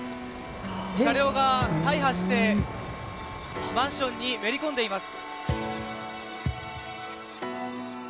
車両が大破してマンションにめり込んでいます。